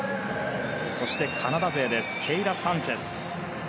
そしてカナダ勢ケイラ・サンチェス。